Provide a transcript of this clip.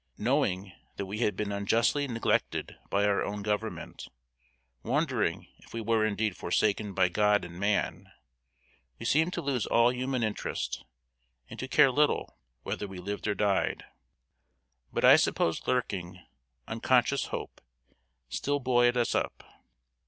Knowing that we had been unjustly neglected by our own Government, wondering if we were indeed forsaken by God and man, we seemed to lose all human interest, and to care little whether we lived or died. But I suppose lurking, unconscious hope, still buoyed us up.